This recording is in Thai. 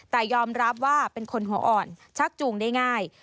แต่ยอมรับว่าเป็นคนหัวอ่อนชักจูงได้ง่าย